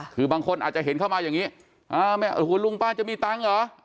คือบางคนอาจจะเห็นเข้ามาอย่างนี้โอ้โหลุงป้าจะมีตังค์เหรอ